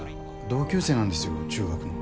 同級生なんですよ中学の。